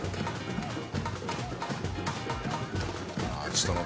ちょっとノ